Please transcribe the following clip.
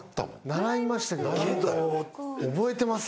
習いましたけど覚えてます？